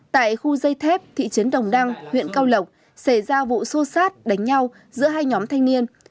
tại khu dây thép thị trấn đồng đăng huyện cao lộc xảy ra vụ xô xát đánh nhau giữa hai nhóm thanh niên